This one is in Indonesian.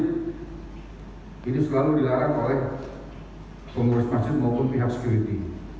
ini selalu dilarang oleh pengurus masjid maupun pihak security